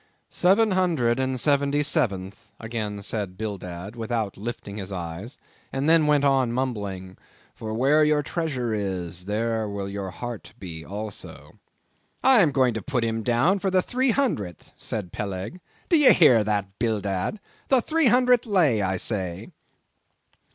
"Seven hundred and seventy seventh," again said Bildad, without lifting his eyes; and then went on mumbling—"for where your treasure is, there will your heart be also." "I am going to put him down for the three hundredth," said Peleg, "do ye hear that, Bildad! The three hundredth lay, I say."